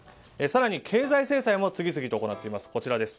更に経済制裁も次々と行っています。